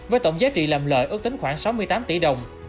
với tổng giá trị làm lợi ước tính khoảng sáu mươi tám tỷ đồng